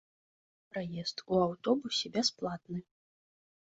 Праезд у аўтобусе бясплатны.